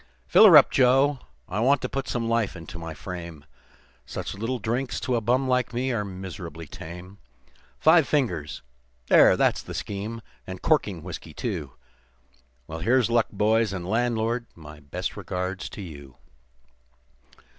"Fill her up, Joe, I want to put some life into my frame Such little drinks to a bum like me are miserably tame; Five fingers there, that's the scheme and corking whiskey, too. Well, here's luck, boys, and landlord, my best regards to you.